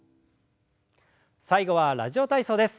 最後は「ラジオ体操」です。